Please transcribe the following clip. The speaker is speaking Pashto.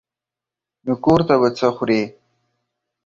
نو کور ته به څه خورې.